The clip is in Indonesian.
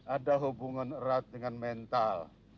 ada hubungan erat dengan mental